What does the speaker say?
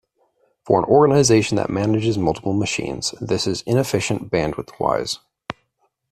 For an organization that manages multiple machines this is inefficient bandwidth-wise.